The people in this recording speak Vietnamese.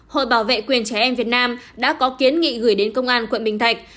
hội bảo vệ quyền trẻ em việt nam đã có kiến nghị gửi đến công an quận bình thạnh